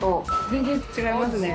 全然違いますね。